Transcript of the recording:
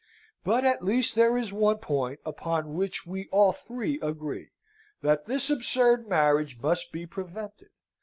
"But at least there is one point upon which we all three agree that this absurd marriage must be prevented.